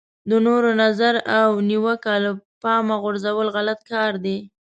د نورو نظر او نیوکه له پامه غورځول غلط کار دی.